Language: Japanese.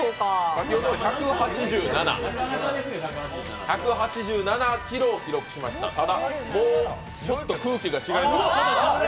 先ほど１８７ｋｇを記録しましたただ、もう、ちょっと空気が違います。